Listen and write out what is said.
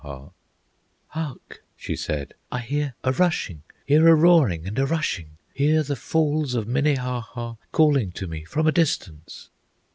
"Hark!" she said; "I hear a rushing, Hear a roaring and a rushing, Hear the Falls of Minnehaha Calling to me from a distance!"